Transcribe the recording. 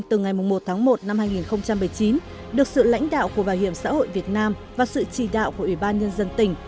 trong sự lãnh đạo của bảo hiểm xã hội việt nam và sự trì đạo của ủy ban nhân dân tỉnh